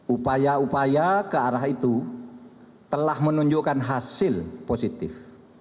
upaya upaya ke arah itu telah menunjukkan hasil positif